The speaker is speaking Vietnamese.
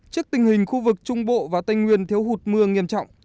trước tình hình khu vực trung bộ và tây nguyên thiếu hụt mưa nghiêm trọng